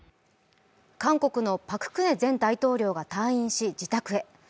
韓国のパク・クネ前大統領が退院し、自宅へ。